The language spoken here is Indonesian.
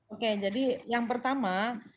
oke jadi yang pertama